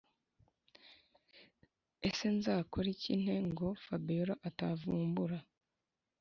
ese nzakoriki nte ngo fabiora atavumbura